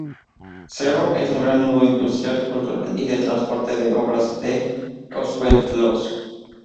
Serov es un gran nudo industrial, cultural y de transporte del óblast de Sverdlovsk.